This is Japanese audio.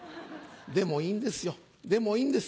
でもいいんですよでもいいんです。